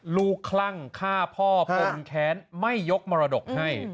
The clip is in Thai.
คลั่งฆ่าพ่อปนแค้นไม่ยกมรดกให้